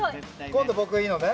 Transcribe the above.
今度、僕いいのね？